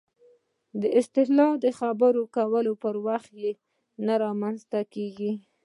اصطلاح د خبرو کولو په وخت کې نه رامنځته کېږي